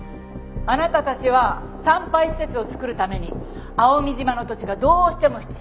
あなたたちは産廃施設を造るために蒼海島の土地がどうしても必要だった。